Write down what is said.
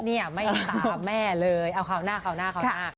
ไม่ตามแม่เลยเอาข่าวหน้า